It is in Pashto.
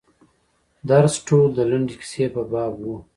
درس ټول د لنډې کیسې په باب و.